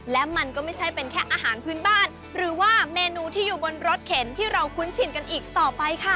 และมันก็ไม่ใช่เป็นแค่อาหารพื้นบ้านหรือว่าเมนูที่อยู่บนรถเข็นที่เราคุ้นชินกันอีกต่อไปค่ะ